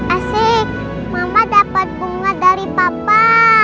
asik mama dapat bunga dari papa